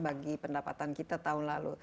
bagi pendapatan kita tahun lalu